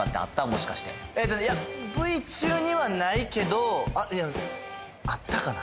もしかしてえっとねいやＶ中にはないけどあったかな？